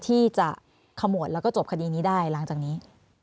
ที่จะขมวดแล้วก็จบคดีนี้ได้หลังจากนี้